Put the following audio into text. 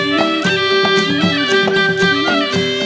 โปรดติดตามต่อไป